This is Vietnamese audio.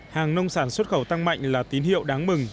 hàng nông sản xuất khẩu tăng mạnh là tín hiệu đáng mừng